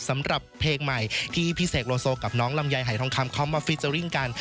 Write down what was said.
สำหรับเพลงใหม่ที่พี่เสกโลโซกับน้องลำไยหายทองคำเขามาฟิเจอร์ริ่งกัน